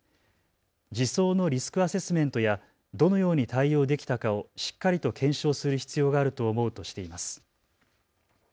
児相のリスクアセスメントやどのように対応できたかをしっかりと検証する必要があると思うとしています。